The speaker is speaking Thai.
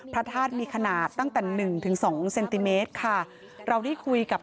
พระธาตุมีขนาดตั้งแต่๑๒เซนติเมตรค่ะ